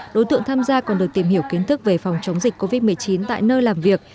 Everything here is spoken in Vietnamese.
đối tượng tham gia còn được tìm hiểu kiến thức về phòng chống dịch covid một mươi chín tại nơi làm việc